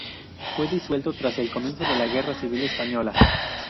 Fue disuelto tras el comienzo de la Guerra civil española.